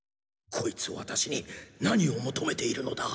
コイツワタシに何を求めているのだ？